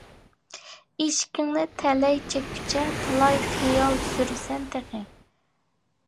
ئىشىكىڭنى تەلەي چەككۈچە، تالاي خىيال سۈرىسەن تېخى.